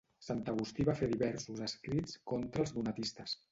Sant Agustí va fer diversos escrits contra els donatistes.